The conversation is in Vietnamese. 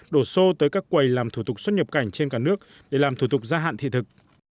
đổ xô tới các quầy làm thủ tục xuất nhập cảnh trên cả nước để làm thủ tục gia hạn thị thực